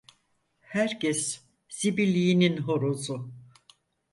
Herkes zibilliğinin horozu.